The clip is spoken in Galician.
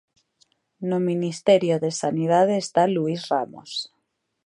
No Ministerio de Sanidade está Luís Ramos.